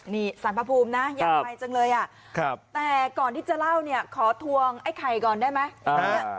นี่สารพระภูมินะอยากไปจังเลยอ่ะแต่ก่อนที่จะเล่าเนี่ยขอทวงไอ้ไข่ก่อนได้ไหม